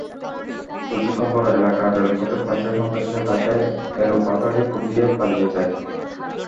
কিছুক্ষণ পরই এলাকায় রেলপথের পাশে সন্ত্রাসীরা তাঁকে এলোপাতাড়ি কুপিয়ে পালিয়ে যায়।